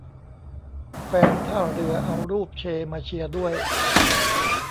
แฟนท่าเรือเอารูปเชมาเชียร์ด้วย !